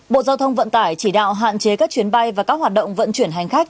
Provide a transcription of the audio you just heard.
bộ giao thông vận tải chỉ đạo hạn chế các chuyến bay và các hoạt động vận chuyển hành khách